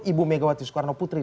ibu megawati soekarno putri